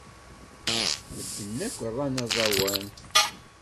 Medden akk ran aẓawan.